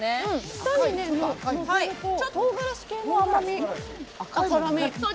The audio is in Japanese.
舌にのせると、とうがらし系の辛み。